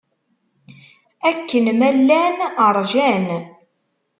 Akken ma llan ṛjan.